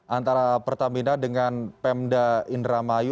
antara pertamina dengan pemda indramayu